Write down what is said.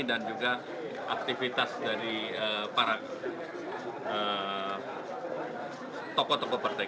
dan juga aktivitas dari para toko toko pertegol